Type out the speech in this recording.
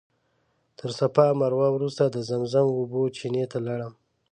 تر صفا او مروه وروسته د زمزم اوبو چینې ته لاړم.